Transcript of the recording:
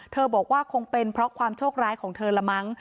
บอกว่าคงเป็นเพราะความโชคร้ายของเธอละมั้ง